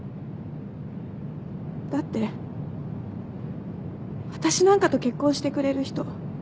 だって私なんかと結婚してくれる人